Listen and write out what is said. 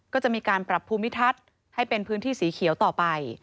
ก็จะมีการปรับภูมิทัศน์ให้เป็นพื้นที่สีเขียวต่อไป